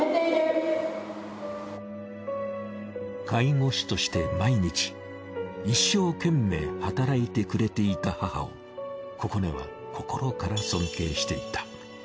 介護士として毎日一生懸命働いてくれていた母を心寧は心から尊敬していた。